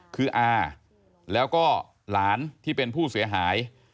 คืออาแล้วก็หลานที่เป็นผู้เสียหาย